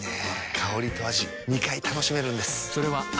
香りと味２回楽しめるんです。